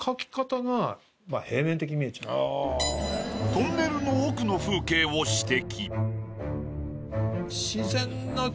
トンネルの奥の風景を指摘。